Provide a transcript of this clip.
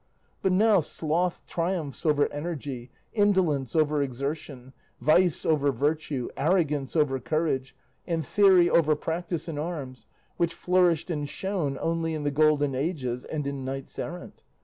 But now sloth triumphs over energy, indolence over exertion, vice over virtue, arrogance over courage, and theory over practice in arms, which flourished and shone only in the golden ages and in knights errant.